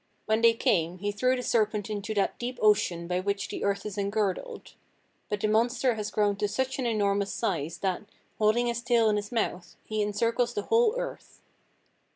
When they came he threw the serpent into that deep ocean by which the earth is engirdled. But the monster has grown to such an enormous size that, holding his tail in his mouth, he encircles the whole earth.